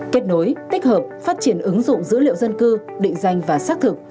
kết nối tích hợp phát triển ứng dụng dữ liệu dân cư định danh và xác thực